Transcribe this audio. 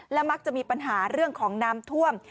และมักจะมีปัญหาเรื่องของน้ำท่วม